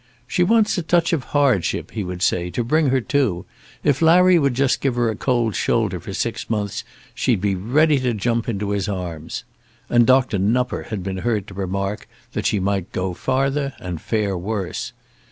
"She wants a touch of hardship," he would say, "to bring her to. If Larry would just give her a cold shoulder for six months, she'd be ready to jump into his arms." And Dr. Nupper had been heard to remark that she might go farther and fare worse.